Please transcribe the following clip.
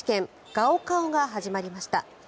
高考が始まりました。